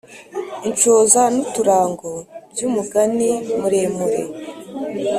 Inshoza n’uturango by’umugani muremure